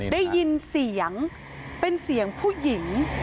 ได้ยินเสียงเป็นเสียงผู้หญิง